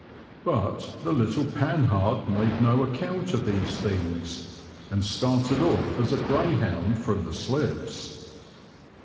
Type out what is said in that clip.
But the little Panhard made no account of these things, and started off as a greyhound from the slips.